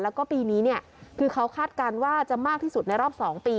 แล้วก็ปีนี้เนี่ยคือเขาคาดการณ์ว่าจะมากที่สุดในรอบ๒ปี